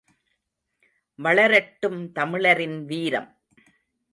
வளரட்டும் தமிழரின் வீரம்!